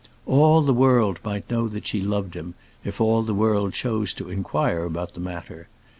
All the world might know that she loved him if all the world chose to inquire about the matter.